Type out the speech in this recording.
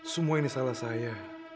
semua ini salah saya